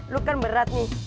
lo kan berat nih